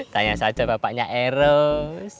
tanya saja bapaknya eros